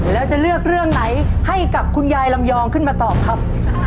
แล้วจะเลือกเรื่องไหนให้กับคุณยายลำยองขึ้นมาตอบครับ